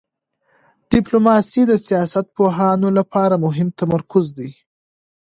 ډیپلوماسي د سیاست پوهانو لپاره مهم تمرکز دی.